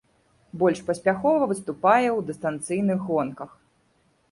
Больш паспяхова выступае ў дыстанцыйных гонках.